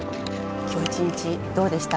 今日一日どうでした？